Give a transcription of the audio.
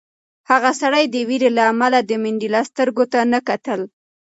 هغه سړي د وېرې له امله د منډېلا سترګو ته نه کتل.